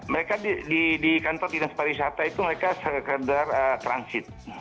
mereka di kantor dinas pariwisata itu mereka sekedar transit